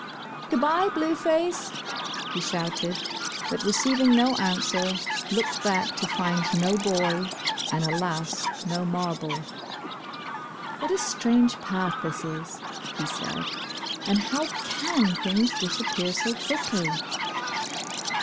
••Good bye, Blue Face,"' he shouted, but re ceiving no answer, looked back, to find no boy, and, alas, no marble. •'\Miat a strange path this is," he said, and how can things disappear so quickly."